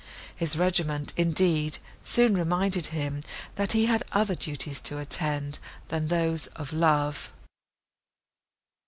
His regiment, indeed, soon reminded him, that he had other duties to attend, than those of love.